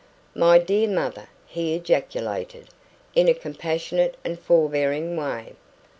"My dear mother!" he ejaculated, in a compassionate and forbearing way.